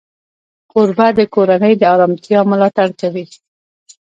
کوربه د کورنۍ د آرامتیا ملاتړ کوي.